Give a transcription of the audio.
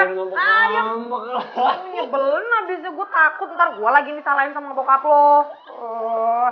ngebel nabisi gue takut ntar gua lagi nyalain sama bokap loh